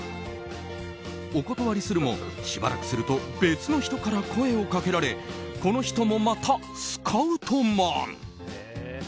お断りするも、しばらくすると別の人から声をかけられこの人も、またスカウトマン。